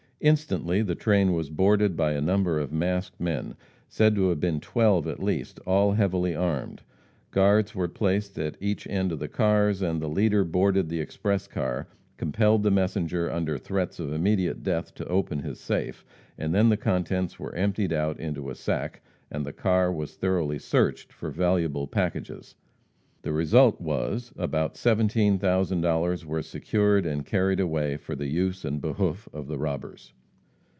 Instantly the train was boarded by a number of masked men, said to have been twelve at least, all heavily armed. Guards were placed at each end of the cars, and the leader boarded the express car, compelled the messenger under threats of immediate death to open his safe, and then the contents were emptied out into a sack, and the car was thoroughly searched for valuable packages. The result was about $17,000 were secured and carried away for the use and behoof of the robbers.